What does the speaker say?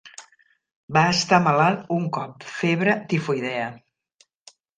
Vaig estar malalt un cop, febre tifoidea.